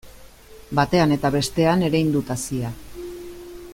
Batean eta bestean erein dut hazia.